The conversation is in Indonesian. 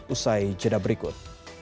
usai jeda berikut